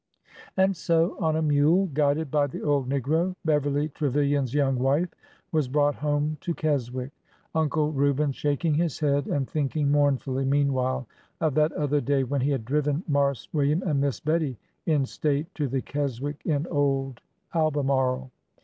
And so, on a mule guided by the old negro, Beverly Trevilian's young wife was brought home to Keswick, Uncle Reuben shaking his head and thinking mournfully meanwhile of that other day when he had driven Marse William and Miss Bettie in state to the Keswick in old Albemarle.